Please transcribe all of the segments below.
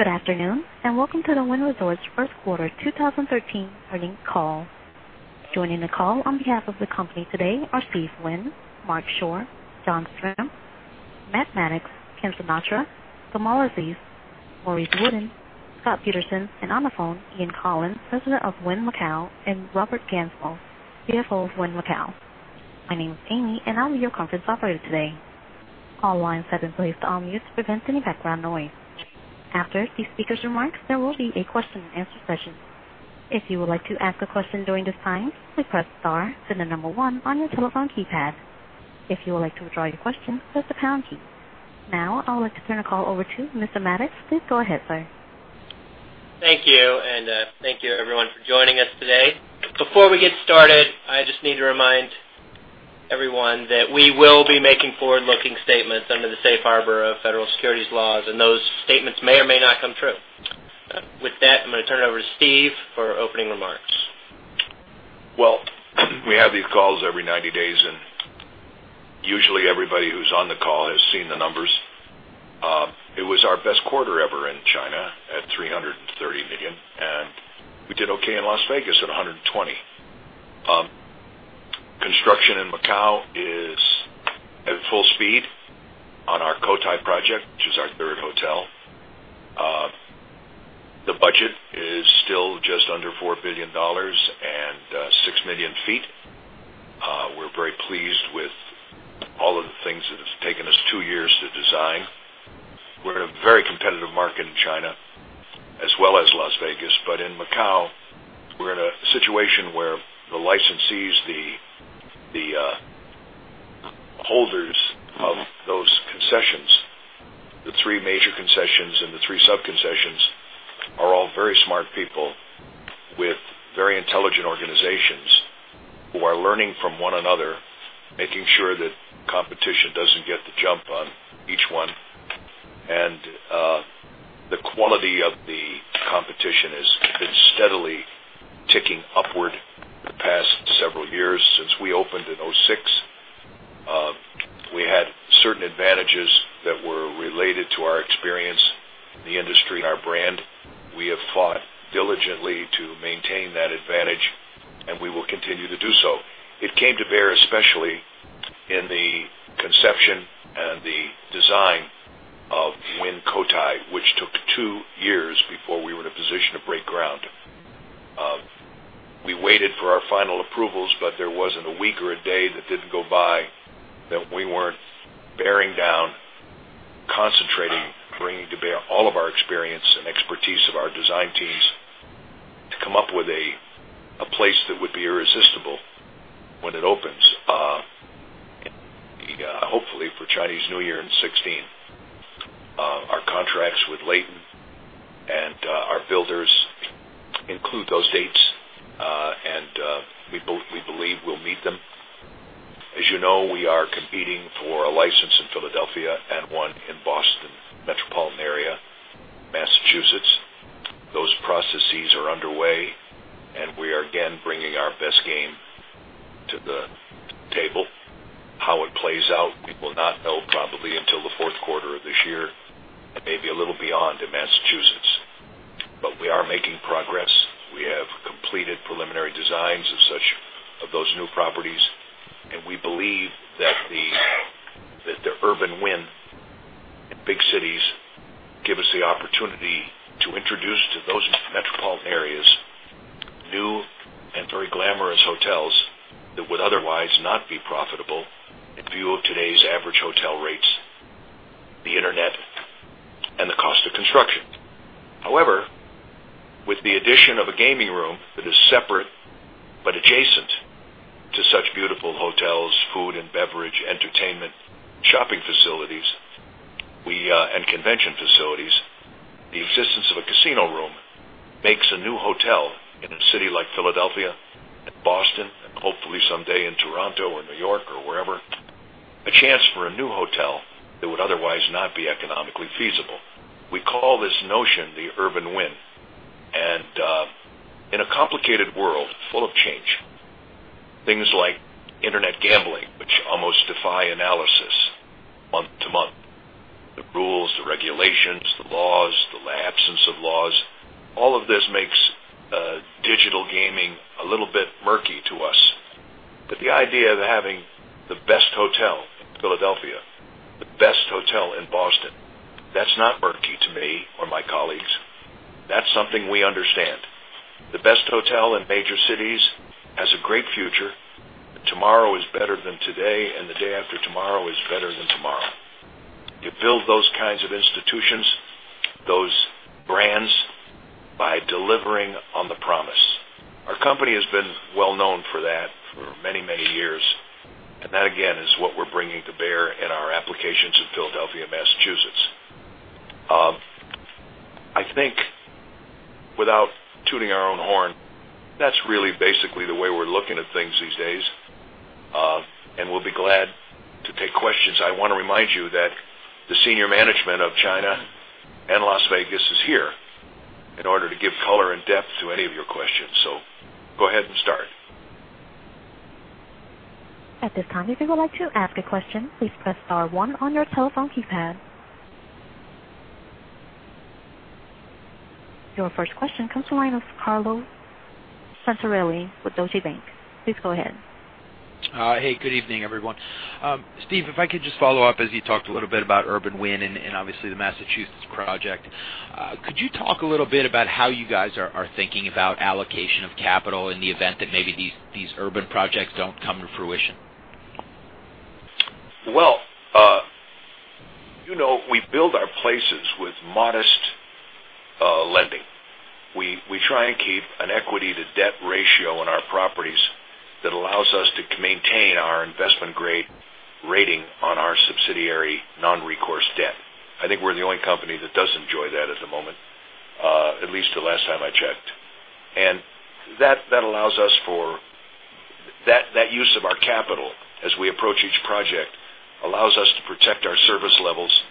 Good afternoon. Welcome to the Wynn Resorts first quarter 2013 earnings call. Joining the call on behalf of the company today are Steve Wynn, Marc Schorr, John Strzemp, Matt Maddox, Kim Sinatra, Gamal Aziz, Maurice Wooden, Scott Peterson, and on the phone, Ian Coughlan, President of Wynn Macau, and Robert Gansmo, CFO of Wynn Macau. My name is Amy, and I'll be your conference operator today. All lines have been placed on mute to prevent any background noise. After the speakers' remarks, there will be a question-and-answer session. If you would like to ask a question during this time, please press star, then the number one on your telephone keypad. If you would like to withdraw your question, press the pound key. I'll like to turn the call over to Mr. Maddox. Please go ahead, sir. Thank you. Thank you, everyone, for joining us today. Before we get started, I just need to remind everyone that we will be making forward-looking statements under the safe harbor of federal securities laws. Those statements may or may not come true. I'm going to turn it over to Steve for opening remarks. We have these calls every 90 days. Usually everybody who's on the call has seen the numbers. It was our best quarter ever in China at $330 million. We did okay in Las Vegas at $120 million. Construction in Macau is at full speed on our Cotai project, which is our third hotel. The budget is still just under $4 billion and six million feet. We're very pleased with all of the things that have taken us two years to design. We're in a very competitive market in China as well as Las Vegas. In Macau, we're in a situation where the licensees, the holders of those concessions, the three major concessions and the three sub-concessions, are all very smart people with very intelligent organizations who are learning from one another, making sure that competition doesn't get the jump on each one. The quality of the competition has been steadily ticking upward the past several years since we opened in 2006. We had certain advantages that were related to our experience in the industry and our brand. We have fought diligently to maintain that advantage. We will continue to do so. It came to bear, especially, in the conception and the design of Wynn Palace, which took two years before we were in a position to break ground. We waited for our final approvals. There wasn't a week or a day that didn't go by that we weren't bearing down, concentrating, bringing to bear all of our experience and expertise of our design teams to come up with a place that would be irresistible when it opens, hopefully for Chinese New Year in 2016. Our contracts with Leighton and our builders include those dates. We believe we'll meet them. As you know, we are competing for a license in Philadelphia and one in Boston metropolitan area, Massachusetts. Those processes are underway. We are again bringing our best game to the table. How it plays out, we will not know probably until the fourth quarter of this year, and maybe a little beyond in Massachusetts. We are making progress. We have completed preliminary designs of those new properties. We believe that the urban Wynn in big cities give us the opportunity to introduce to those metropolitan areas new and very glamorous hotels that would otherwise not be profitable in view of today's average hotel rates, the internet, and the cost of construction. However, with the addition of a gaming room that is separate but adjacent to such beautiful hotels, food and beverage, entertainment, shopping facilities, and convention facilities, the existence of a casino room makes a new hotel in a city like Philadelphia and Boston, and hopefully someday in Toronto or New York or wherever, a chance for a new hotel that would otherwise not be economically feasible. We call this notion the urban Wynn. In a complicated world full of change, things like internet gambling, which almost defy analysis month to month, the rules, the regulations, the laws, the absence of laws, all of this makes digital gaming a little bit murky to us. The idea of having the best hotel in Philadelphia, the best hotel in Boston, that's not murky to me or my colleagues. That's something we understand. The best hotel in major cities has a great future. Tomorrow is better than today. The day after tomorrow is better than tomorrow. You build those kinds of institutions, those brands, by delivering on the promise. Our company has been well known for that for many, many years. That, again, is what we're bringing to bear in our applications in Philadelphia and Massachusetts. I think without tooting our own horn, that's really basically the way we're looking at things these days. We'll be glad to take questions. I want to remind you that the senior management of China and Las Vegas is here in order to give color and depth to any of your questions. Go ahead and start. At this time, if you would like to ask a question, please press star one on your telephone keypad. Your first question comes to the line of Carlo Santarelli with Deutsche Bank. Please go ahead. Hey, good evening, everyone. Steve, if I could just follow up as you talked a little bit about urban Wynn and obviously the Massachusetts project. Could you talk a little bit about how you guys are thinking about allocation of capital in the event that maybe these urban projects don't come to fruition? We build our places with modest lending. We try and keep an equity-to-debt ratio in our properties that allows us to maintain our investment-grade rating on our subsidiary non-recourse debt. I think we're the only company that does enjoy that at the moment, at least the last time I checked. That use of our capital as we approach each project allows us to protect our service levels,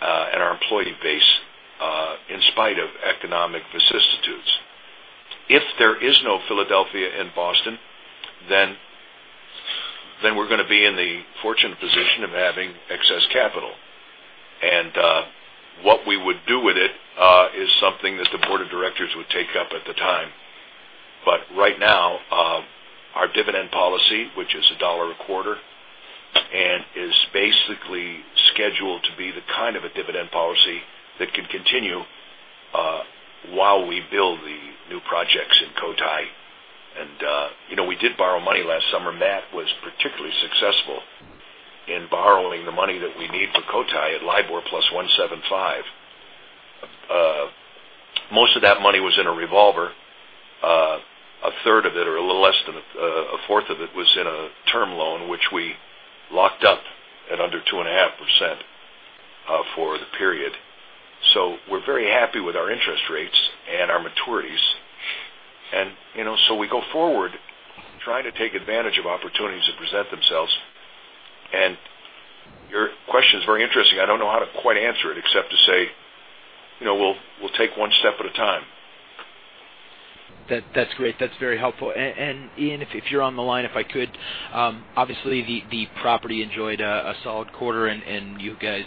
and our employee base, in spite of economic vicissitudes. If there is no Philadelphia and Boston, we're going to be in the fortunate position of having excess capital. What we would do with it, is something that the board of directors would take up at the time. Right now, our dividend policy, which is $1 a quarter, and is basically scheduled to be the kind of a dividend policy that can continue while we build the new projects in Cotai. We did borrow money last summer. Matt was particularly successful in borrowing the money that we need for Cotai at LIBOR plus 175. Most of that money was in a revolver. A third of it, or a little less than a fourth of it, was in a term loan, which we locked up at under 2.5% for the period. We're very happy with our interest rates and our maturities. We go forward trying to take advantage of opportunities that present themselves. Your question is very interesting. I don't know how to quite answer it except to say, we'll take one step at a time. That's great. That's very helpful. Ian, if you're on the line, if I could, obviously the property enjoyed a solid quarter, and you guys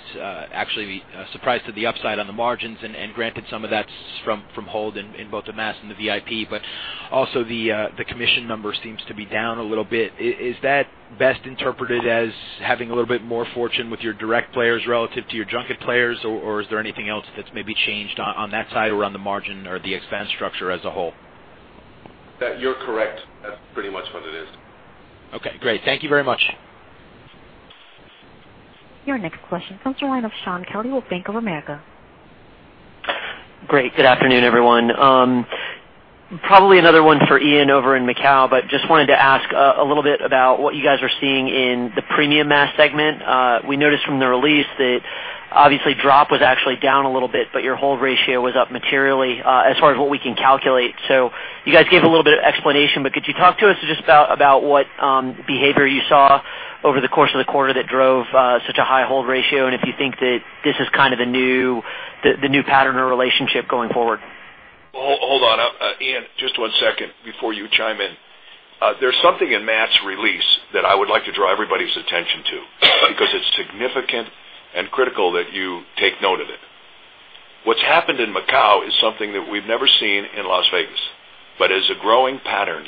actually surprised to the upside on the margins, and granted some of that's from hold in both the mass and the VIP, but also the commission number seems to be down a little bit. Is that best interpreted as having a little bit more fortune with your direct players relative to your junket players? Is there anything else that's maybe changed on that side or on the margin or the expense structure as a whole? That you're correct. That's pretty much what it is. Okay, great. Thank you very much. Your next question comes the line of Shaun Kelley with Bank of America. Great. Good afternoon, everyone. Probably another one for Ian over in Macau, just wanted to ask a little bit about what you guys are seeing in the premium mass segment. We noticed from the release that obviously drop was actually down a little bit, but your hold ratio was up materially, as far as what we can calculate. You guys gave a little bit of explanation, but could you talk to us just about what behavior you saw over the course of the quarter that drove such a high hold ratio, and if you think that this is kind of the new pattern or relationship going forward? Hold on. Ian, just one second before you chime in. There's something in Matt's release that I would like to draw everybody's attention to because it's significant and critical that you take note of it. What's happened in Macau is something that we've never seen in Las Vegas, but is a growing pattern,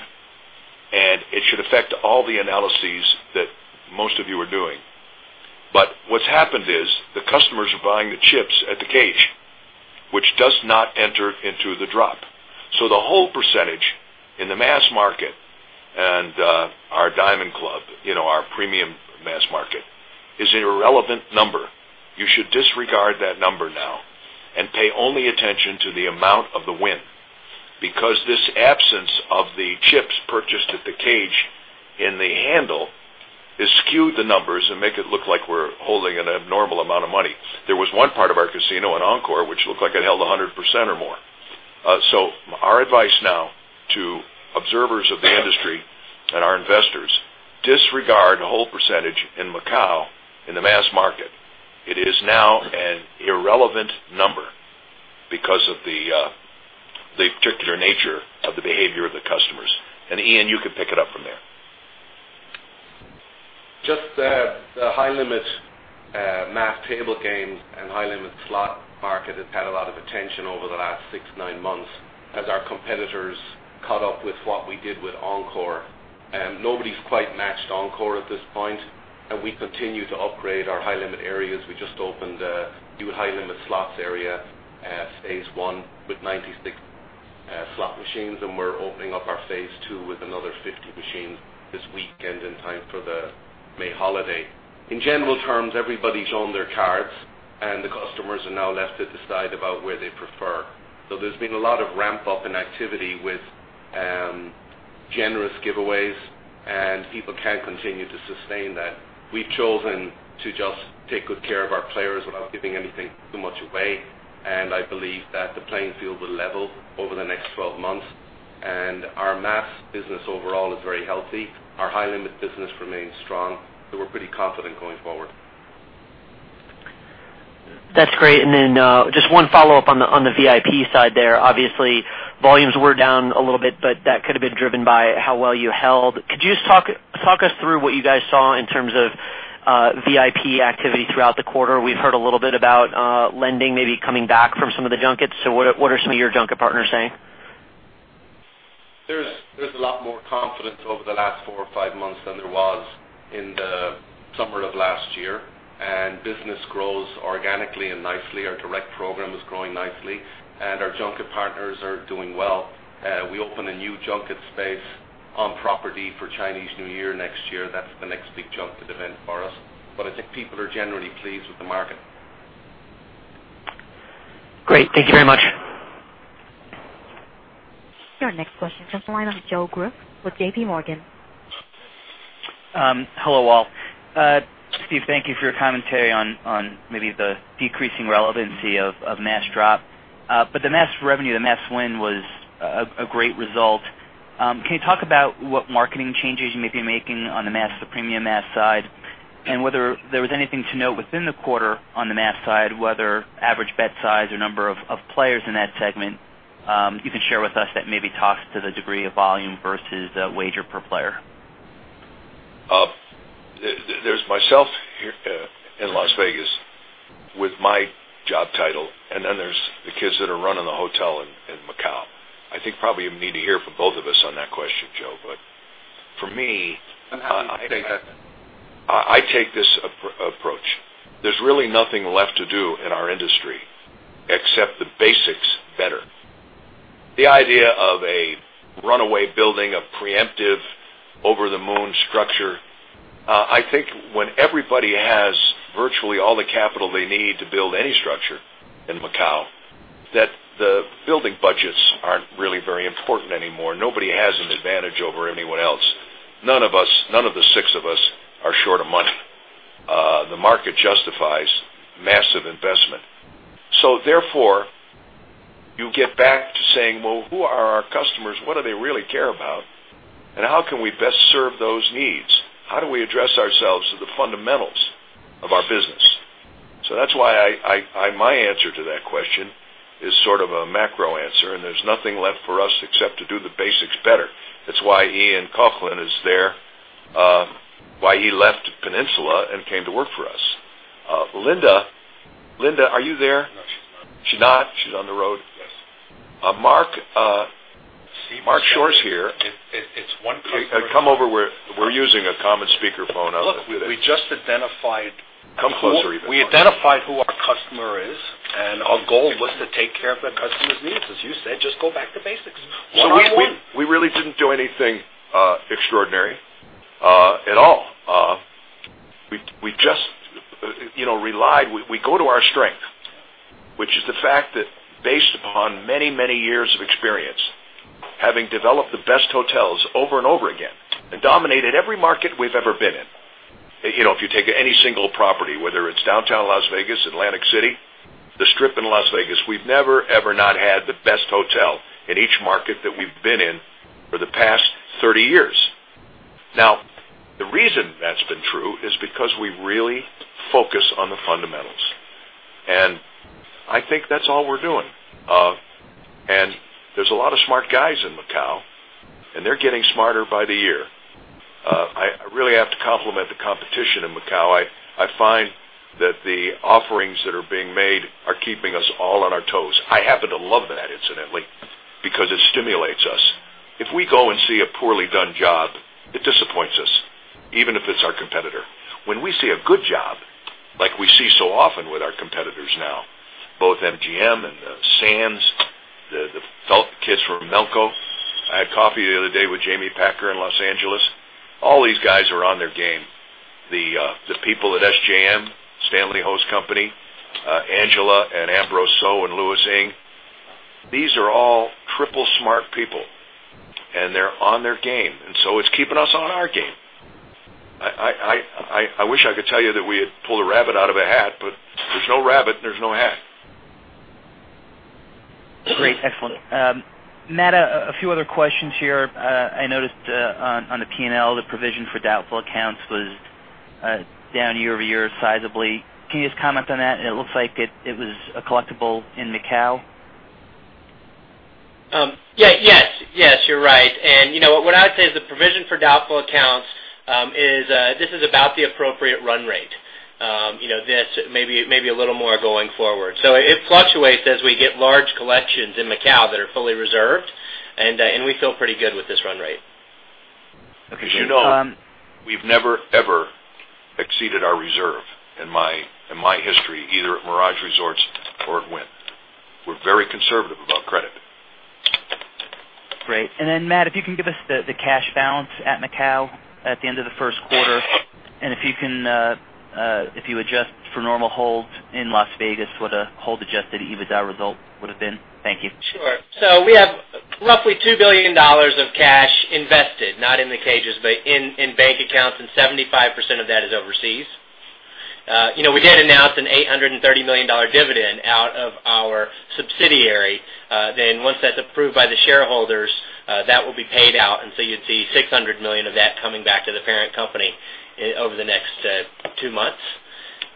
and it should affect all the analyses that most of you are doing. What's happened is the customers are buying the chips at the cage, which does not enter into the drop. The whole percentage in the mass market and our Diamond Club, our premium mass market, is an irrelevant number. You should disregard that number now and pay only attention to the amount of the win, because this absence of the chips purchased at the cage in the handle has skewed the numbers and make it look like we're holding an abnormal amount of money. There was one part of our casino in Encore, which looked like it held 100% or more. Our advice now to observers of the industry and our investors, disregard the whole percentage in Macau in the mass market. It is now an irrelevant number because of the particular nature of the behavior of the customers. Ian, you can pick it up from there. Just the high-limit mass table games and high-limit slot market has had a lot of attention over the last six to nine months as our competitors caught up with what we did with Encore. Nobody's quite matched Encore at this point, and we continue to upgrade our high-limit areas. We just opened a new high-limit slots area, phase 1, with 96 slot machines, and we're opening up our phase 2 with another 50 machines this weekend in time for the May Holiday. In general terms, everybody's shown their cards, and the customers are now left to decide about where they prefer. There's been a lot of ramp-up in activity with generous giveaways, and people can continue to sustain that. We've chosen to just take good care of our players without giving anything too much away, and I believe that the playing field will level over the next 12 months. Our mass business overall is very healthy. Our high-limit business remains strong, we're pretty confident going forward. That's great. Just one follow-up on the VIP side there. Obviously, volumes were down a little bit, but that could have been driven by how well you held. Could you just talk us through what you guys saw in terms of VIP activity throughout the quarter? We've heard a little bit about lending maybe coming back from some of the junkets. What are some of your junket partners saying? There's a lot more confidence over the last four or five months than there was in the summer of last year. Business grows organically and nicely. Our direct program is growing nicely. Our junket partners are doing well. We open a new junket space on property for Chinese New Year next year. That's the next big junket event for us. I think people are generally pleased with the market. Great. Thank you very much. Your next question comes the line of Joseph Greff with J.P. Morgan. Hello, all. Steve, thank you for your commentary on maybe the decreasing relevancy of mass drop. The mass revenue, the mass win was a great result. Can you talk about what marketing changes you may be making on the premium mass side? Whether there was anything to note within the quarter on the mass side, whether average bet size or number of players in that segment. You can share with us that maybe talks to the degree of volume versus wager per player. There's myself here in Las Vegas with my job title, and then there's the kids that are running the hotel in Macau. I think probably you need to hear from both of us on that question, Joe, for me. I'm happy to take a crack at it. I take this approach. There's really nothing left to do in our industry except the basics better. The idea of a runaway building, a preemptive over-the-moon structure. I think when everybody has virtually all the capital they need to build any structure in Macau, that the building budgets aren't really very important anymore. Nobody has an advantage over anyone else. None of the six of us are short of money. The market justifies massive investment. Therefore, you get back to saying, "Well, who are our customers? What do they really care about? How can we best serve those needs? How do we address ourselves to the fundamentals of our business?" That's why my answer to that question is sort of a macro answer, and there's nothing left for us except to do the basics better. That's why Ian Coughlan is there, why he left Peninsula and came to work for us. Linda, are you there? No, she's not. She's not? She's on the road? Yes. Marc Schorr's here. It's one customer- Come over. We're using a common speakerphone. Look, we just identified- Come closer even. We identified who our customer is, and our goal was to take care of that customer's needs. As you said, just go back to basics, 101. We really didn't do anything extraordinary at all. We go to our strength, which is the fact that based upon many years of experience, having developed the best hotels over and over again and dominated every market we've ever been in. If you take any single property, whether it's downtown Las Vegas, Atlantic City, the Strip in Las Vegas, we've never, ever not had the best hotel in each market that we've been in for the past 30 years. Now, the reason that's been true is because we really focus on the fundamentals, and I think that's all we're doing. There's a lot of smart guys in Macau, and they're getting smarter by the year. I really have to compliment the competition in Macau. I find that the offerings that are being made are keeping us all on our toes. I happen to love that, incidentally, because it stimulates us. If we go and see a poorly done job, it disappoints us, even if it's our competitor. When we see a good job, like we see so often with our competitors now, both MGM and the Sands, the felt kids from Melco. I had coffee the other day with Jamie Packer in Los Angeles. All these guys are on their game. The people at SJM, Stanley Ho's company, Angela and Ambrose and Louis Ng, these are all triple smart people, and they're on their game, and so it's keeping us on our game. I wish I could tell you that we had pulled a rabbit out of a hat, but there's no rabbit, and there's no hat. Great. Excellent. Matt, a few other questions here. I noticed on the P&L, the provision for doubtful accounts was down year-over-year, sizably. Can you just comment on that? It looks like it was a collectible in Macau. Yes, you're right. What I'd say is the provision for doubtful accounts, this is about the appropriate run rate. This may be a little more going forward. It fluctuates as we get large collections in Macau that are fully reserved, and we feel pretty good with this run rate. Okay. You know we've never, ever exceeded our reserve in my history, either at Mirage Resorts or at Wynn. We're very conservative about credit. Great. Matt, if you can give us the cash balance at Macau at the end of the first quarter, and if you adjust for normal holds in Las Vegas, what a hold-adjusted EBITDA result would have been. Thank you. Sure. We have roughly $2 billion of cash invested, not in the cages, but in bank accounts, and 75% of that is overseas. We did announce an $830 million dividend out of our subsidiary Once that's approved by the shareholders, that will be paid out. You'd see $600 million of that coming back to the parent company over the next two months.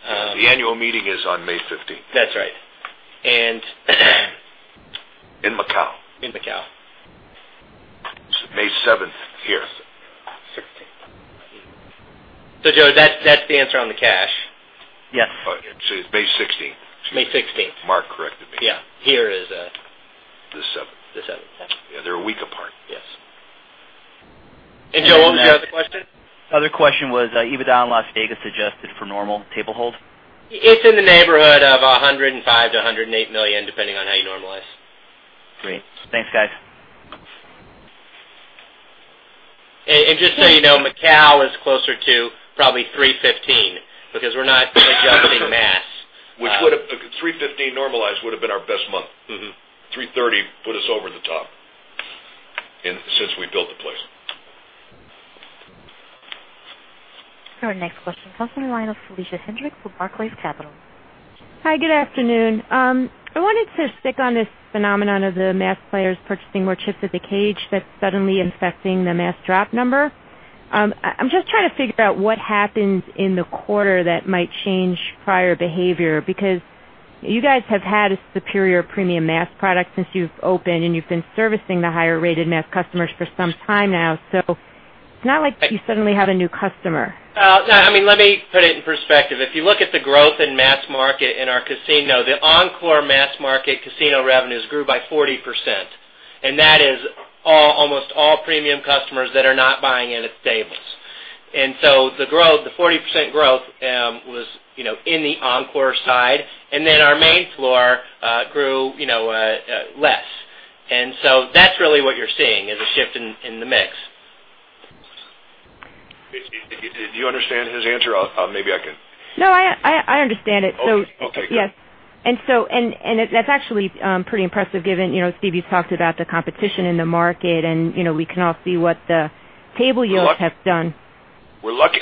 The annual meeting is on May 15th. That's right. In Macau. In Macau. May 7th here. 16. Joe, that's the answer on the cash. Yes. Oh, yeah. It's May 16th. May 16th. Marc corrected me. Yeah. Here is. The 7th. The 7th. Okay. Yeah, they're a week apart. Yes. Joe, what was your other question? Other question was EBITDA on Las Vegas adjusted for normal table hold. It's in the neighborhood of $105 million-$108 million, depending on how you normalize. Great. Thanks, guys. Just so you know, Macau is closer to probably $315 because we're not adjusting mass. Which would have $315 normalized would've been our best month. 3:30 put us over the top, since we built the place. Our next question comes from the line of Felicia Hendrix with Barclays Capital. Hi, good afternoon. I wanted to stick on this phenomenon of the mass players purchasing more chips at the cage that's suddenly infecting the mass drop number. I'm just trying to figure out what happens in the quarter that might change prior behavior, because you guys have had a superior premium mass product since you've opened, and you've been servicing the higher-rated mass customers for some time now, so it's not like you suddenly have a new customer. Let me put it in perspective. If you look at the growth in mass market in our casino, the Encore mass market casino revenues grew by 40%, and that is almost all premium customers that are not buying in at the tables. The 40% growth was in the Encore side, and then our main floor grew less. That's really what you're seeing, is a shift in the mix. Felicia, did you understand his answer? No, I understand it. Okay, good. Yes. That's actually pretty impressive given Steve, you've talked about the competition in the market, and we can all see what the table yields have done. We're lucky.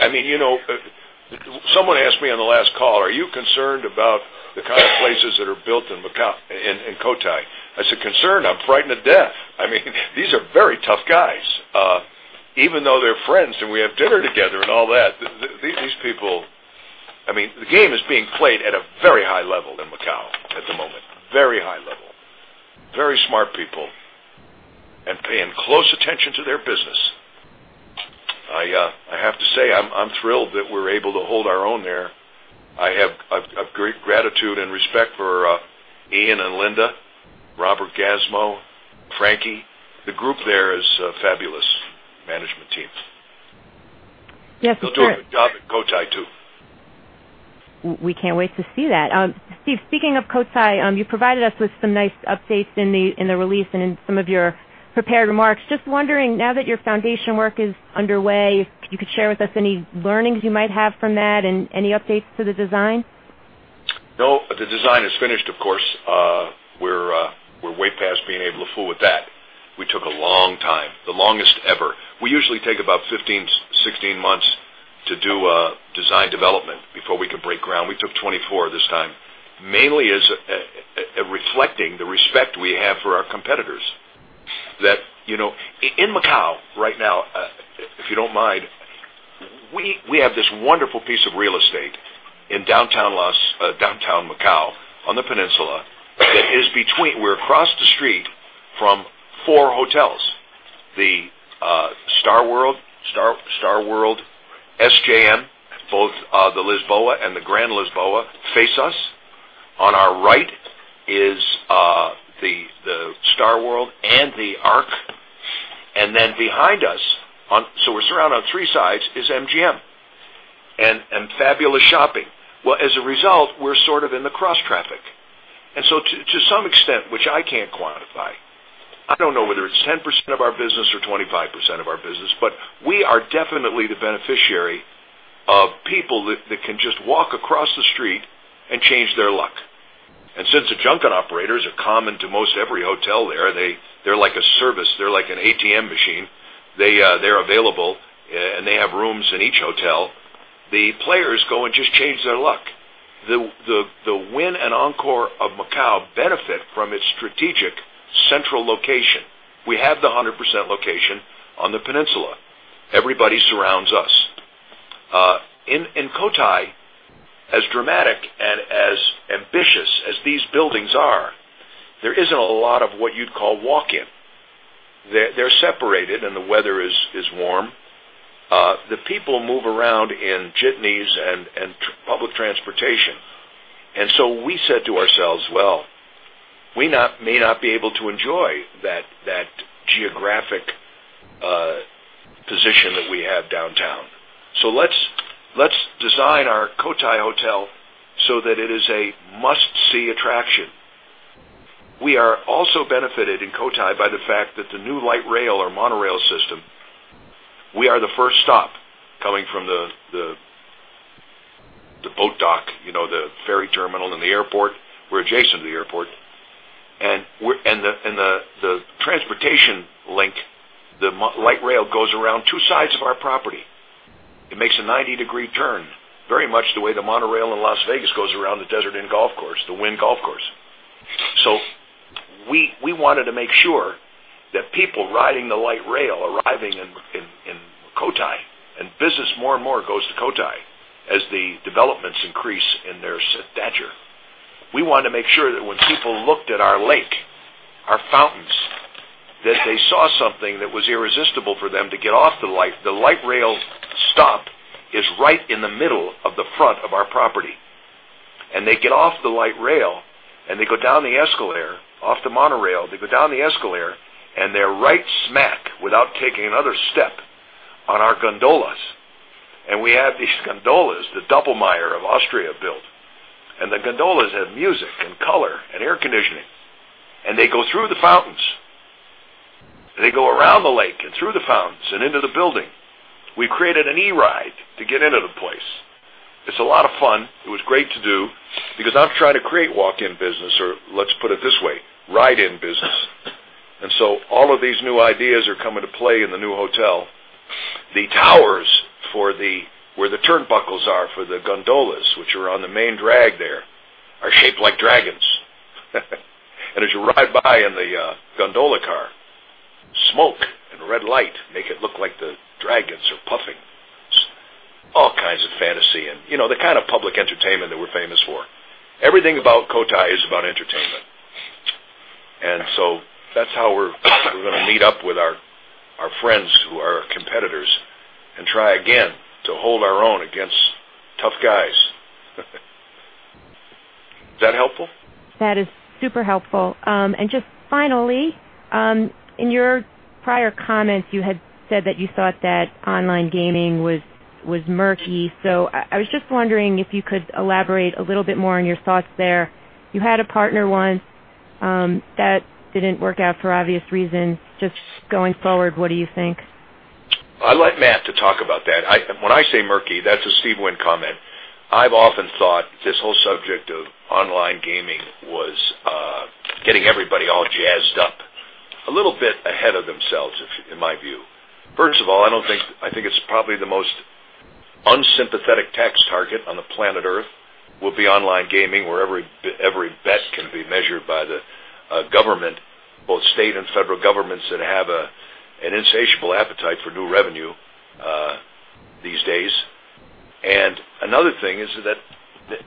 Someone asked me on the last call, "Are you concerned about the kind of places that are built in Macau, in Cotai?" I said, "Concerned? I'm frightened to death." These are very tough guys. Even though they're friends and we have dinner together and all that, these people. The game is being played at a very high level in Macau at the moment. Very high level. Very smart people, and paying close attention to their business. I have to say, I'm thrilled that we're able to hold our own there. I have great gratitude and respect for Ian and Linda, Robert Gansmo, Frankie. The group there is fabulous management team. Yes, for sure. They'll do a good job at Cotai, too. We can't wait to see that. Steve, speaking of Cotai, you provided us with some nice updates in the release and in some of your prepared remarks. Just wondering, now that your foundation work is underway, if you could share with us any learnings you might have from that and any updates to the design? No, the design is finished, of course. We're way past being able to fool with that. We took a long time, the longest ever. We usually take about 15, 16 months to do design development before we can break ground. We took 24 this time. Mainly as reflecting the respect we have for our competitors. In Macau right now, if you don't mind, we have this wonderful piece of real estate in downtown Macau, on the peninsula. We're across the street from four hotels. The StarWorld, SJM, both the Lisboa and the Grand Lisboa face us. On our right is the StarWorld and the Ark. Behind us, so we're surrounded on three sides, is MGM and fabulous shopping. As a result, we're sort of in the cross traffic. To some extent, which I can't quantify, I don't know whether it's 10% of our business or 25% of our business, but we are definitely the beneficiary of people that can just walk across the street and change their luck. Since the junket operators are common to most every hotel there, they're like a service. They're like an ATM machine. They're available, and they have rooms in each hotel. The players go and just change their luck. The Wynn and Encore of Macau benefit from its strategic central location. We have the 100% location on the peninsula. Everybody surrounds us. In Cotai, as dramatic and as ambitious as these buildings are, there isn't a lot of what you'd call walk-in. They're separated, and the weather is warm. The people move around in jitneys and public transportation. We said to ourselves, "Well, we may not be able to enjoy that geographic position that we have downtown. Let's design our Cotai hotel so that it is a must-see attraction." We are also benefited in Cotai by the fact that the new light rail or monorail system, we are the first stop coming from the boat dock, the ferry terminal and the airport. We're adjacent to the airport. The light rail goes around two sides of our property. It makes a 90-degree turn, very much the way the monorail in Las Vegas goes around the desert and golf course, the Wynn Golf Course. We wanted to make sure that people riding the light rail arriving in Cotai, business more and more goes to Cotai as the developments increase in their stature. We wanted to make sure that when people looked at our lake, our fountains, that they saw something that was irresistible for them to get off the light rail. The light rail stop is right in the middle of the front of our property. They get off the light rail. They go down the escalator, off the monorail. They go down the escalator, and they're right smack, without taking another step, on our gondolas. We have these gondolas, the Doppelmayr of Austria built. The gondolas have music and color and air conditioning. They go through the fountains. They go around the lake and through the fountains and into the building. We created an e-ride to get into the place. It's a lot of fun. It was great to do because I'm trying to create walk-in business or, let's put it this way, ride-in business. All of these new ideas are coming to play in the new hotel. The towers where the turnbuckles are for the gondolas, which are on the main drag there, are shaped like dragons. As you ride by in the gondola car, smoke and red light make it look like the dragons are puffing. All kinds of fantasy and the kind of public entertainment that we're famous for. Everything about Cotai is about entertainment. That's how we're going to meet up with our friends who are competitors and try again to hold our own against tough guys. Is that helpful? That is super helpful. Just finally, in your prior comments, you had said that you thought that online gaming was murky. I was just wondering if you could elaborate a little bit more on your thoughts there. You had a partner once. That didn't work out for obvious reasons. Just going forward, what do you think? I'd like Matt to talk about that. When I say murky, that's a Steve Wynn comment. I've often thought this whole subject of online gaming was getting everybody all jazzed up a little bit ahead of themselves, in my view. First of all, I think it's probably the most unsympathetic tax target on the planet Earth will be online gaming, where every bet can be measured by the government, both state and federal governments that have an insatiable appetite for new revenue these days. Another thing is that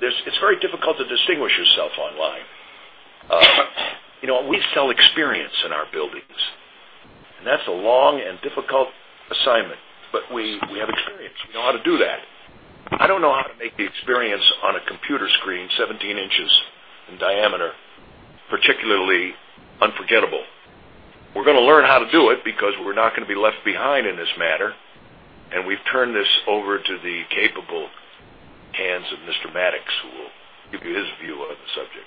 it's very difficult to distinguish yourself online. We sell experience in our buildings, and that's a long and difficult assignment, but we have experience. We know how to do that. I don't know how to make the experience on a computer screen 17 inches in diameter, particularly unforgettable. We're going to learn how to do it because we're not going to be left behind in this matter, and we've turned this over to the capable hands of Mr. Maddox, who will give you his view on the subject.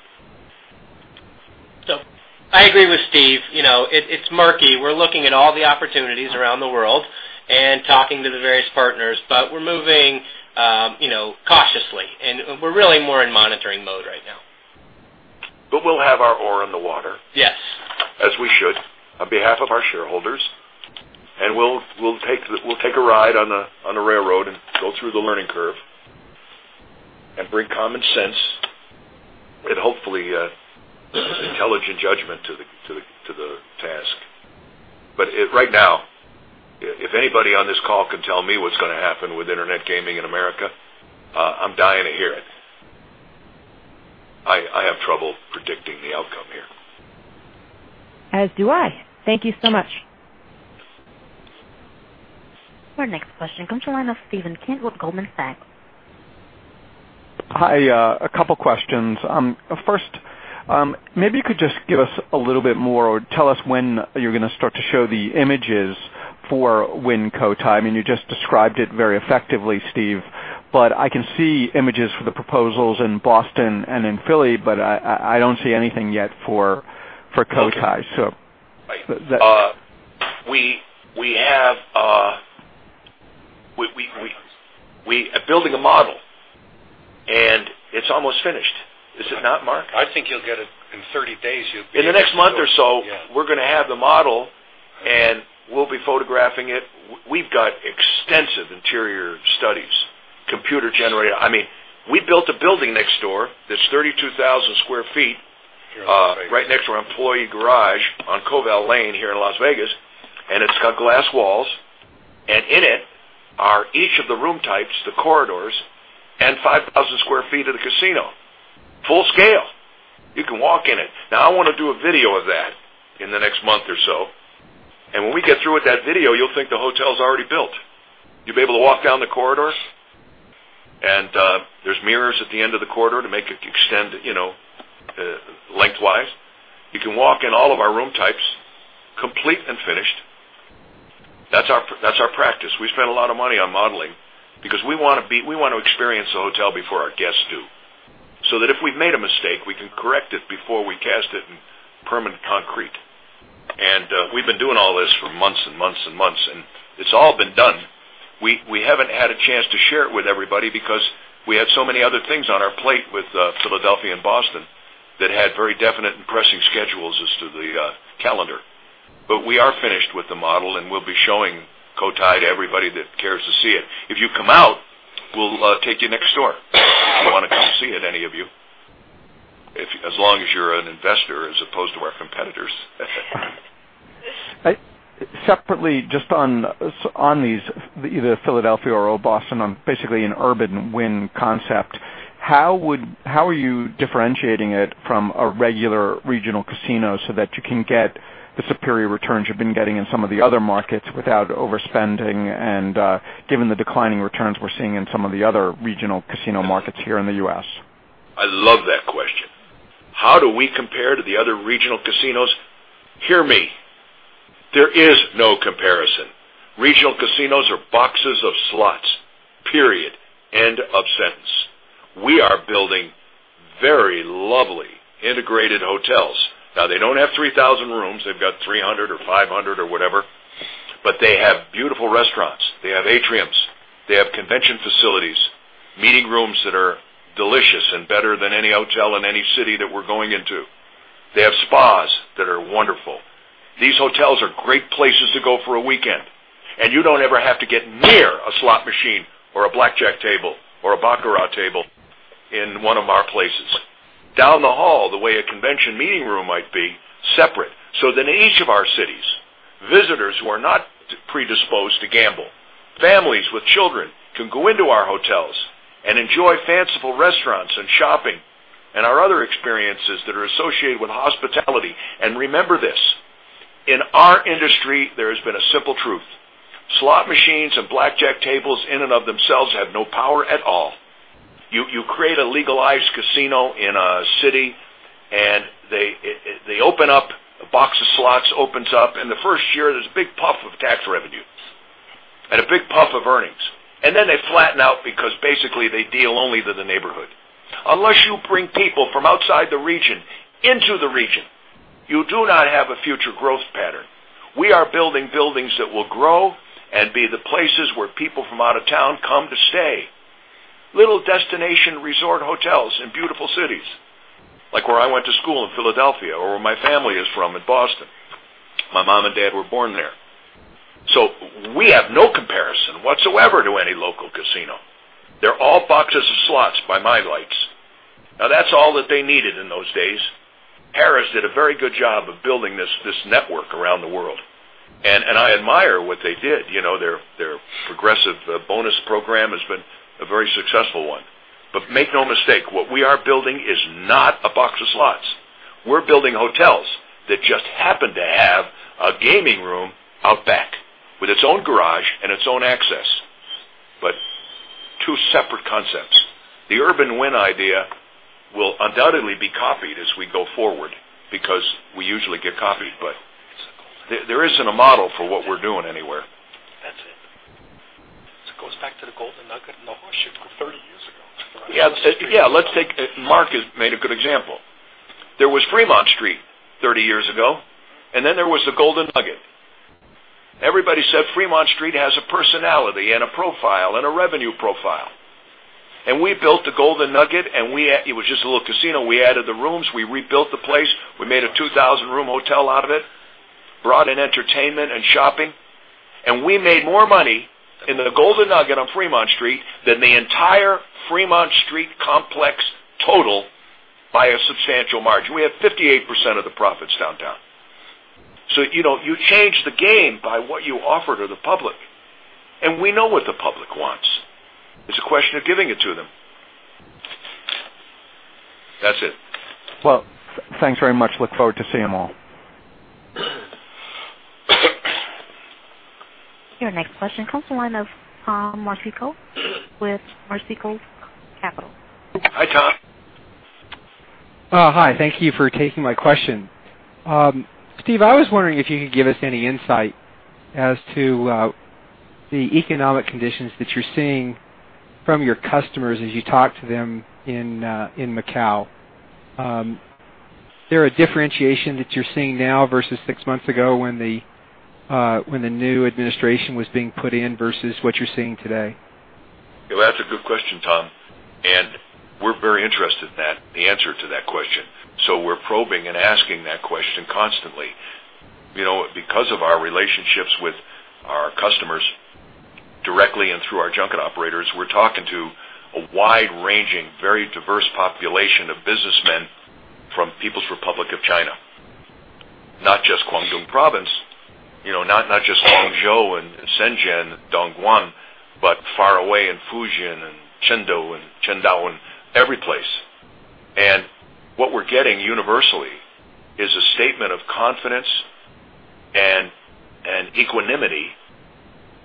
I agree with Steve. It's murky. We're looking at all the opportunities around the world and talking to the various partners. We're moving cautiously, and we're really more in monitoring mode right now. We'll have our oar in the water. Yes. As we should, on behalf of our shareholders. We'll take a ride on the railroad and go through the learning curve and bring common sense and hopefully intelligent judgment to the task. Right now, if anybody on this call can tell me what's going to happen with internet gaming in America, I'm dying to hear it. I have trouble predicting the outcome here. As do I. Thank you so much. Our next question comes from the line of Steven Kent with Goldman Sachs. Hi. A couple questions. First, maybe you could just give us a little bit more, or tell us when you're going to start to show the images for Wynn Palace. I mean, you just described it very effectively, Steve, but I can see images for the proposals in Boston and in Philly, but I don't see anything yet for Cotai. We are building a model, and it's almost finished. Is it not, Marc? I think you'll get it in 30 days. In the next month or so, we're going to have the model, and we'll be photographing it. We've got extensive interior studies, computer-generated. I mean, we built a building next door that's 32,000 sq ft right next to our employee garage on Koval Lane here in Las Vegas, and it's got glass walls. In it are each of the room types, the corridors, and 5,000 sq ft of the casino. Full scale. You can walk in it. I want to do a video of that in the next month or so, and when we get through with that video, you'll think the hotel's already built. You'll be able to walk down the corridors, there's mirrors at the end of the corridor to make it extend lengthwise. You can walk in all of our room types, complete and finished. That's our practice. We spend a lot of money on modeling because we want to experience the hotel before our guests do, so that if we've made a mistake, we can correct it before we cast it in permanent concrete. We've been doing all this for months and months and months. It's all been done. We haven't had a chance to share it with everybody because we had so many other things on our plate with Philadelphia and Boston that had very definite and pressing schedules as to the calendar. We are finished with the model, and we'll be showing Cotai to everybody that cares to see it. If you come out, we'll take you next door. If you want to come see it, any of you. As long as you're an investor as opposed to our competitors. Separately, just on these, either Philadelphia or Boston, on basically an urban Wynn concept, how are you differentiating it from a regular regional casino so that you can get the superior returns you've been getting in some of the other markets without overspending and given the declining returns we're seeing in some of the other regional casino markets here in the U.S.? I love that question. How do we compare to the other regional casinos? Hear me. There is no comparison. Regional casinos are boxes of slots. Period. End of sentence. We are building very lovely integrated hotels. Now, they don don't have 3,000 rooms, they've got 300 or 500 or whatever, but they have beautiful restaurants. They have atriums. They have convention facilities, meeting rooms that are delicious and better than any hotel in any city that we're going into. They have spas that are wonderful. These hotels are great places to go for a weekend, and you don't ever have to get near a slot machine or a blackjack table or a baccarat table in one of our places. Down the hall, the way a convention meeting room might be, separate. Each of our cities, visitors who are not predisposed to gamble, families with children can go into our hotels and enjoy fanciful restaurants and shopping, and our other experiences that are associated with hospitality. Remember this, in our industry, there has been a simple truth. Slot machines and blackjack tables in and of themselves have no power at all. You create a legalized casino in a city, and they open up, a box of slots opens up, and the first year, there's a big puff of tax revenue and a big puff of earnings. They flatten out because basically they deal only to the neighborhood. Unless you bring people from outside the region into the region, you do not have a future growth pattern. We are building buildings that will grow and be the places where people from out of town come to stay. Little destination resort hotels in beautiful cities, like where I went to school in Philadelphia or where my family is from in Boston. My mom and dad were born there. We have no comparison whatsoever to any local casino. They're all boxes of slots by my likes. That's all that they needed in those days. Harrah's did a very good job of building this network around the world, and I admire what they did. Their progressive bonus program has been a very successful one. Make no mistake, what we are building is not a box of slots. We're building hotels that just happen to have a gaming room out back with its own garage and its own access. Two separate concepts. The urban Wynn idea will undoubtedly be copied as we go forward because we usually get copied. There isn't a model for what we're doing anywhere. That's it. This goes back to the Golden Nugget in the Horseshoe 30 years ago. Marc has made a good example. There was Fremont Street 30 years ago. There was the Golden Nugget. Everybody said Fremont Street has a personality and a profile and a revenue profile. We built the Golden Nugget, and it was just a little casino. We added the rooms, we rebuilt the place, we made a 2,000-room hotel out of it, brought in entertainment and shopping. We made more money in the Golden Nugget on Fremont Street than the entire Fremont Street complex total by a substantial margin. We had 58% of the profits downtown. You change the game by what you offer to the public. We know what the public wants. It's a question of giving it to them. That's it. Well, thanks very much. Look forward to seeing them all. Your next question comes from the line of Tom Marsico with Marsico Capital. Hi, Tom. Hi. Thank you for taking my question. Steve, I was wondering if you could give us any insight as to the economic conditions that you're seeing from your customers as you talk to them in Macau. Is there a differentiation that you're seeing now versus six months ago when the new administration was being put in versus what you're seeing today? That's a good question, Tom. We're very interested in the answer to that question. We're probing and asking that question constantly. Because of our relationships with our customers directly and through our junket operators, we're talking to a wide-ranging, very diverse population of businessmen from People's Republic of China, not just Guangdong Province, not just Hangzhou and Shenzhen, Dongguan, but far away in Fujian and Chengdu and Qingdao, and every place. What we're getting universally is a statement of confidence and equanimity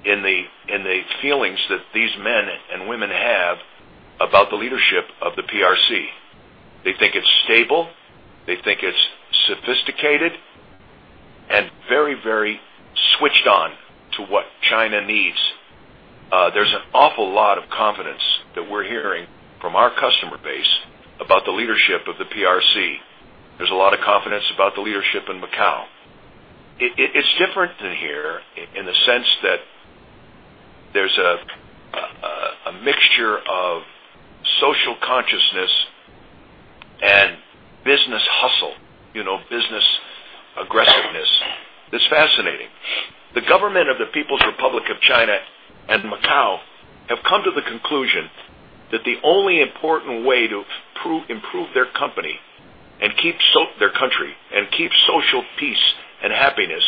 in the feelings that these men and women have about the leadership of the PRC. They think it's stable. They think it's sophisticated and very, very switched on to what China needs. There's an awful lot of confidence that we're hearing from our customer base about the leadership of the PRC. There's a lot of confidence about the leadership in Macau. It's different here in the sense that there's a mixture of social consciousness and business hustle, business aggressiveness, that's fascinating. The government of the People's Republic of China and Macau have come to the conclusion that the only important way to improve their country, and keep social peace and happiness,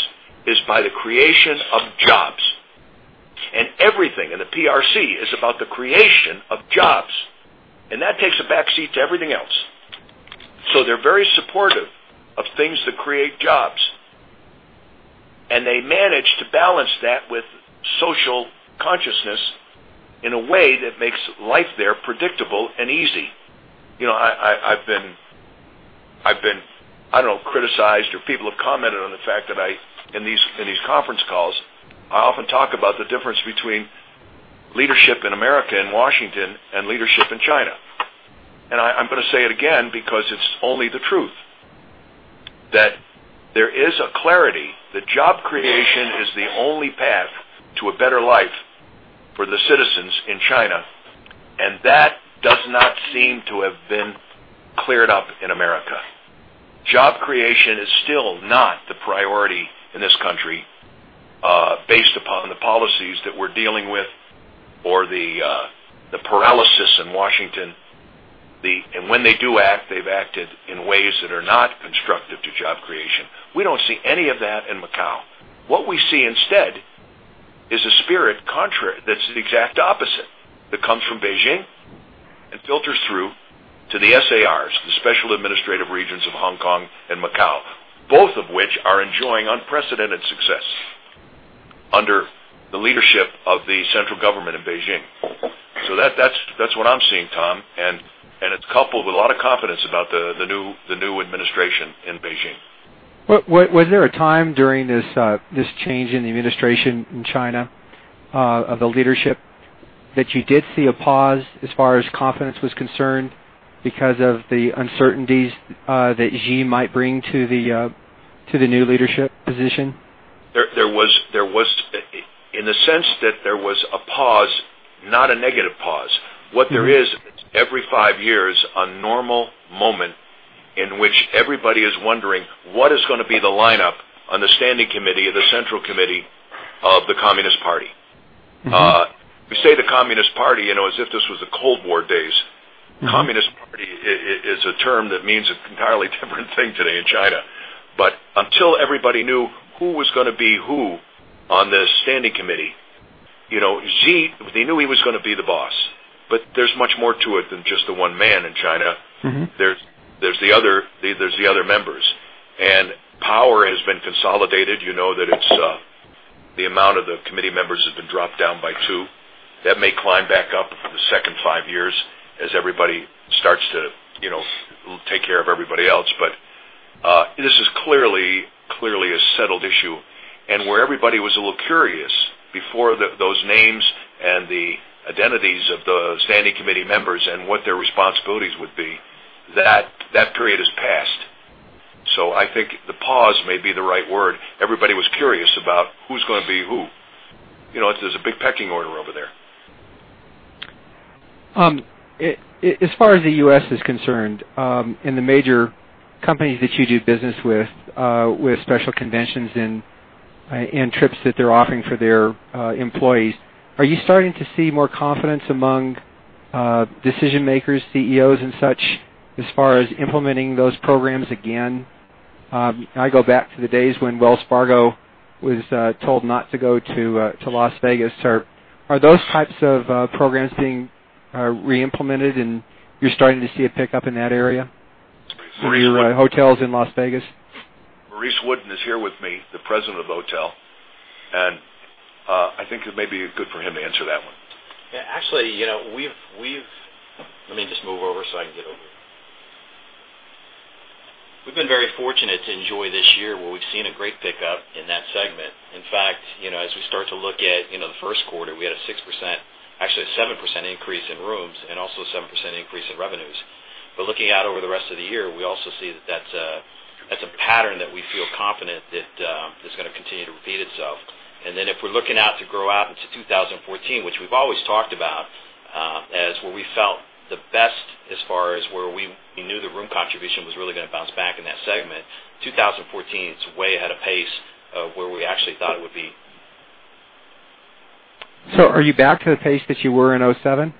is by the creation of jobs. Everything in the PRC is about the creation of jobs, and that takes a backseat to everything else. They're very supportive of things that create jobs, and they manage to balance that with social consciousness in a way that makes life there predictable and easy. I've been criticized, or people have commented on the fact that in these conference calls, I often talk about the difference between leadership in America, in Washington, and leadership in China. I'm going to say it again because it's only the truth, that there is a clarity that job creation is the only path to a better life for the citizens in China, and that does not seem to have been cleared up in America. Job creation is still not the priority in this country based upon the policies that we're dealing with or the paralysis in Washington. When they do act, they've acted in ways that are not constructive to job creation. We don't see any of that in Macau. What we see instead is a spirit that's the exact opposite, that comes from Beijing and filters through to the SARs, the Special Administrative Regions of Hong Kong and Macau, both of which are enjoying unprecedented success under the leadership of the central government in Beijing. That's what I'm seeing, Tom, and it's coupled with a lot of confidence about the new administration in Beijing. Was there a time during this change in the administration in China of the leadership that you did see a pause as far as confidence was concerned because of the uncertainties that Xi might bring to the new leadership position? In the sense that there was a pause, not a negative pause. What there is, every five years, a normal moment in which everybody is wondering what is going to be the lineup on the standing committee of the Central Committee of the Communist Party. We say the Communist Party as if this was the Cold War days. Communist Party is a term that means an entirely different thing today in China. Until everybody knew who was going to be who on this standing committee. Xi, they knew he was going to be the boss, but there's much more to it than just the one man in China. There's the other members. Power has been consolidated. The amount of the committee members has been dropped down by two. That may climb back up for the second five years as everybody starts to take care of everybody else. This is clearly a settled issue. Where everybody was a little curious before those names and the identities of the standing committee members and what their responsibilities would be, that period has passed. I think the pause may be the right word. Everybody was curious about who's going to be who. There's a big pecking order over there. As far as the U.S. is concerned, and the major companies that you do business with special conventions and trips that they're offering for their employees, are you starting to see more confidence among decision-makers, CEOs, and such, as far as implementing those programs again? I go back to the days when Wells Fargo was told not to go to Las Vegas. Are those types of programs being re-implemented and you're starting to see a pickup in that area, Maurice Wooden for your hotels in Las Vegas? Maurice Wooden is here with me, the president of the hotel. I think it may be good for him to answer that one. Yeah. Let me just move over so I can get over here. We've been very fortunate to enjoy this year, where we've seen a great pickup in that segment. In fact, as we start to look at the first quarter, we had a 6%, actually a 7% increase in rooms, and also a 7% increase in revenues. Looking out over the rest of the year, we also see that that's a pattern that we feel confident that is going to continue to repeat itself. If we're looking out to grow out into 2014, which we've always talked about as where we felt the best as far as where we knew the room contribution was really going to bounce back in that segment, 2014 is way ahead of pace of where we actually thought it would be. Are you back to the pace that you were in 2007?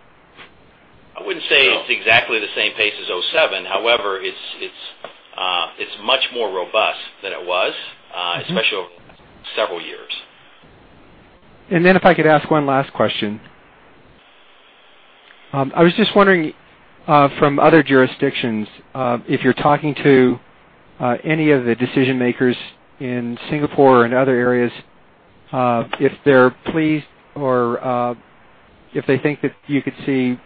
I wouldn't say it's exactly the same pace as 2007. However, it's much more robust than it was. Especially over several years. If I could ask one last question. I was just wondering from other jurisdictions, if you're talking to any of the decision-makers in Singapore or in other areas, if they're pleased or if they think that you could see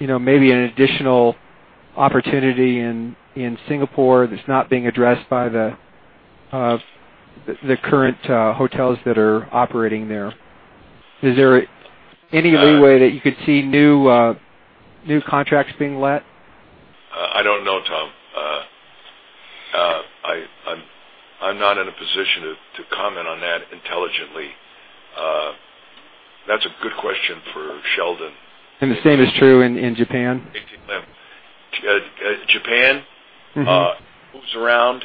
maybe an additional opportunity in Singapore that's not being addressed by the current hotels that are operating there. Is there any leeway that you could see new contracts being let? I don't know, Tom. I'm not in a position to comment on that intelligently. That's a good question for Sheldon. The same is true in Japan? Japan- Moves around.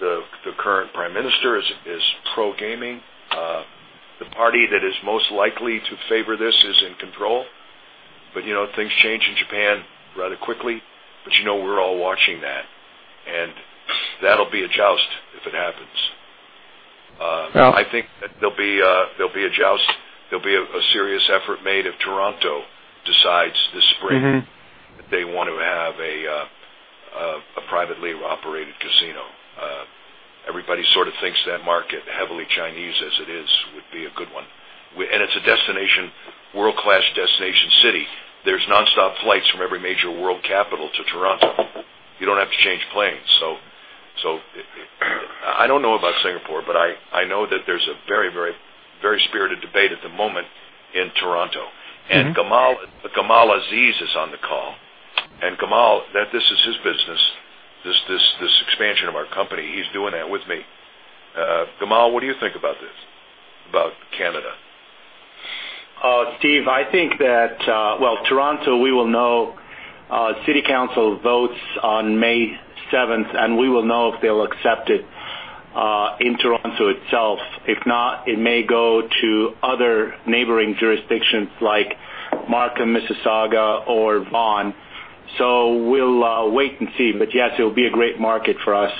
The current prime minister is pro-gaming. The party that is most likely to favor this is in control, but things change in Japan rather quickly. We're all watching that, and that'll be a joust if it happens. Well- I think that there'll be a joust. There'll be a serious effort made if Toronto decides this spring- They want to have a privately operated casino. Everybody sort of thinks that market, heavily Chinese as it is, would be a good one. It's a world-class destination city. There's nonstop flights from every major world capital to Toronto. You don't have to change planes. I don't know about Singapore, but I know that there's a very spirited debate at the moment in Toronto. Gamal Aziz is on the call. Gamal, this is his business, this expansion of our company, he's doing that with me. Gamal, what do you think about this? About Canada? Steve, I think that, well, Toronto, we will know. City council votes on May 7th, we will know if they'll accept it in Toronto itself. If not, it may go to other neighboring jurisdictions like Markham, Mississauga, or Vaughan. We'll wait and see, but yes, it'll be a great market for us.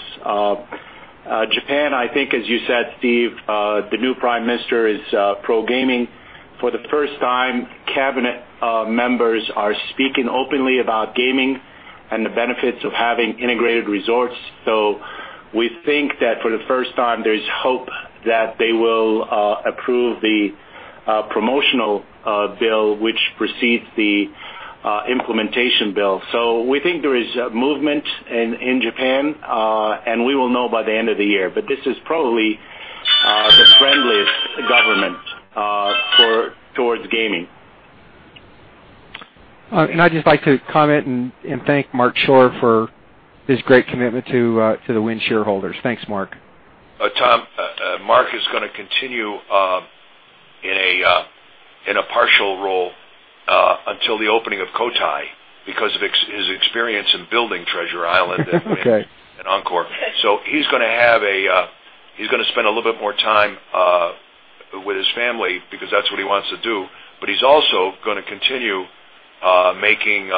Japan, I think as you said, Steve, the new prime minister is pro-gaming. For the first time, cabinet members are speaking openly about gaming and the benefits of having integrated resorts. We think that for the first time, there's hope that they will approve the promotional bill which precedes the implementation bill. We think there is movement in Japan, and we will know by the end of the year. This is probably the friendliest government towards gaming. I'd just like to comment and thank Marc Schorr for his great commitment to the Wynn shareholders. Thanks, Mark. Tom, Mark is going to continue in a partial role until the opening of Cotai because of his experience in building Treasure Island. Okay and Encore. He's going to spend a little bit more time with his family because that's what he wants to do, but he's also going to continue making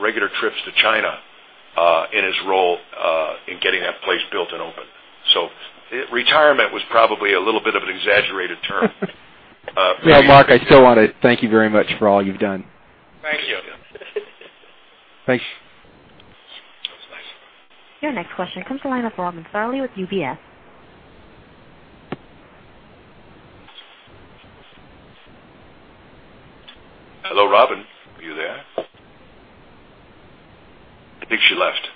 regular trips to China in his role in getting that place built and open. Retirement was probably a little bit of an exaggerated term. Yeah, Mark, I still want to thank you very much for all you've done. Thank you. Thanks. Thanks. Your next question comes the line of Robin Farley with UBS. Hello, Robin. Are you there? I think she left.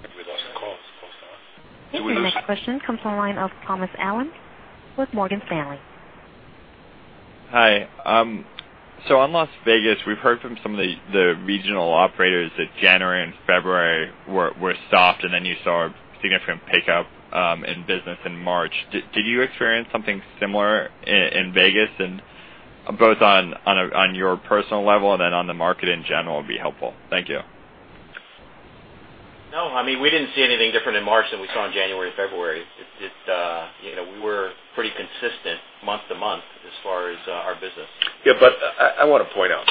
I think we lost the call. The next question comes from the line of Thomas Allen with Morgan Stanley. Hi. In Las Vegas, we've heard from some of the regional operators that January and February were soft, then you saw a significant pickup in business in March. Did you experience something similar in Vegas? Both on your personal level and on the market in general would be helpful. Thank you. No, we didn't see anything different in March than we saw in January, February. We were pretty consistent month to month as far as our business. Yeah, I want to point out.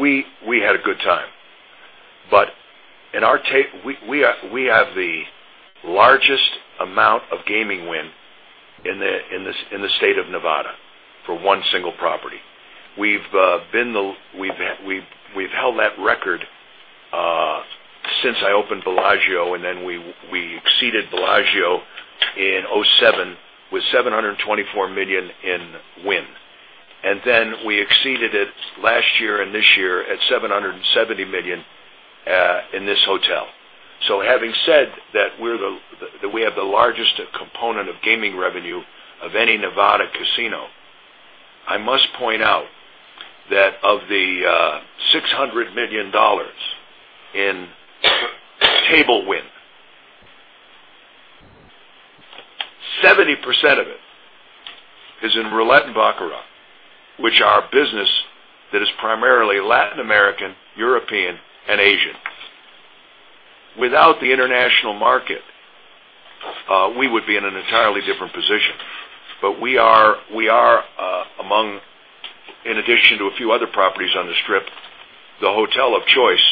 We had a good time. We have the largest amount of gaming win in the state of Nevada for one single property. We've held that record since I opened Bellagio, then we exceeded Bellagio in 2007 with $724 million in win. Then we exceeded it last year and this year at $770 million in this hotel. Having said that we have the largest component of gaming revenue of any Nevada casino, I must point out that of the $600 million in table win, 70% of it is in roulette and baccarat, which are a business that is primarily Latin American, European, and Asian. Without the international market, we would be in an entirely different position. We are among, in addition to a few other properties on the Strip, the hotel of choice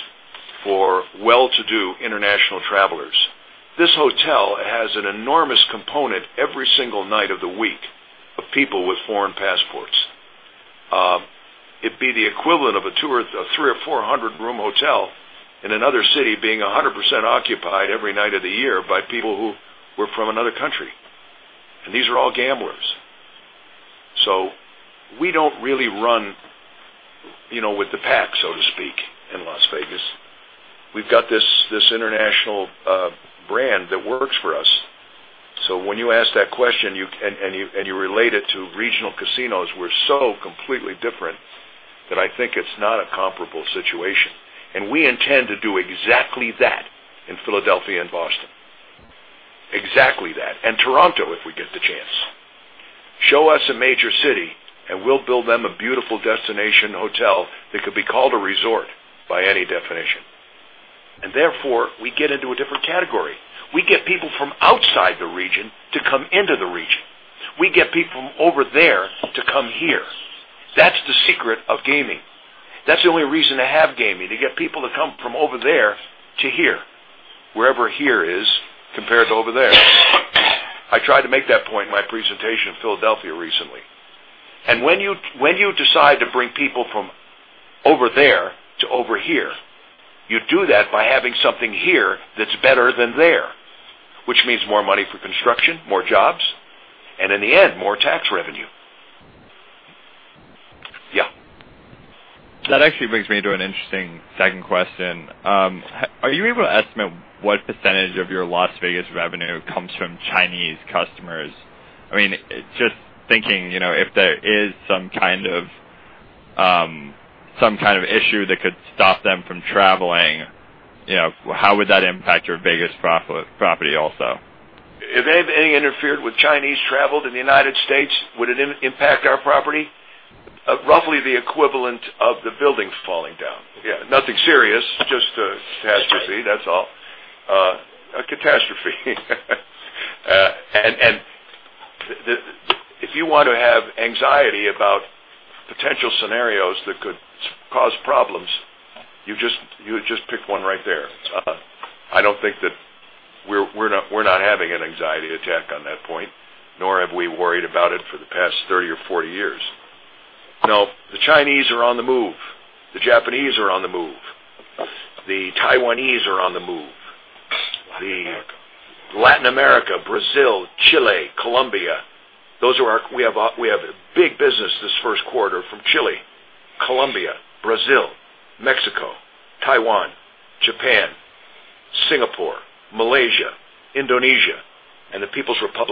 for well-to-do international travelers. This hotel has an enormous component every single night of the week of people with foreign passports. It'd be the equivalent of a 300 or 400-room hotel in another city being 100% occupied every night of the year by people who were from another country. These are all gamblers. We don't really run with the pack, so to speak, in Las Vegas. We've got this international brand that works for us. When you ask that question, and you relate it to regional casinos, we're so completely different that I think it's not a comparable situation. We intend to do exactly that in Philadelphia and Boston. Exactly that. Toronto, if we get the chance. Show us a major city, and we'll build them a beautiful destination hotel that could be called a resort by any definition. Therefore, we get into a different category. We get people from outside the region to come into the region. We get people from over there to come here. That's the secret of gaming. That's the only reason to have gaming, to get people to come from over there to here, wherever here is compared to over there. I tried to make that point in my presentation in Philadelphia recently. When you decide to bring people from over there to over here, you do that by having something here that's better than there, which means more money for construction, more jobs, and in the end, more tax revenue. Yeah. That actually brings me to an interesting second question. Are you able to estimate what percentage of your Las Vegas revenue comes from Chinese customers? Just thinking, if there is some kind of issue that could stop them from traveling, how would that impact your Vegas property also? If anything interfered with Chinese travel to the United States, would it impact our property? Roughly the equivalent of the buildings falling down. Nothing serious, just a catastrophe, that's all. A catastrophe. If you want to have anxiety about potential scenarios that could cause problems, you just pick one right there. We're not having an anxiety attack on that point, nor have we worried about it for the past 30 or 40 years. No, the Chinese are on the move. The Japanese are on the move. The Taiwanese are on the move. Latin America. Latin America, Brazil, Chile, Colombia. We have big business this first quarter from Chile, Colombia, Brazil, Mexico, Taiwan, Japan, Singapore, Malaysia, Indonesia, and the People's Republic